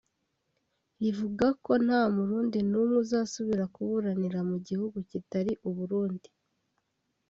rivuga ko nta murundi n’umwe azasubira kuburanira mu gihugu kitari Uburundi